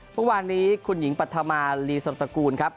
เมื่อวานนี้คุณหญิงปัธมาลีสมตระกูลครับ